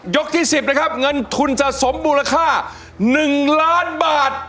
ที่๑๐นะครับเงินทุนสะสมมูลค่า๑ล้านบาท